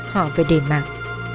họ phải đề mạng